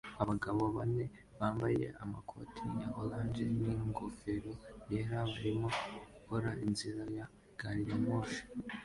Abagabo bane bambaye amakoti ya orange n'ingofero yera barimo gukora inzira ya gari ya moshi